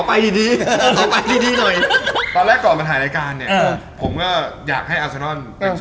อ่ะนี่ผมกำลังว่าเพราะมีนือนะเสร็จ